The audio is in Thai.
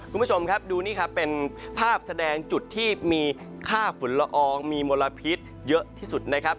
คุณผู้ชมครับดูนี่ครับเป็นภาพแสดงจุดที่มีค่าฝุ่นละอองมีมลพิษเยอะที่สุดนะครับ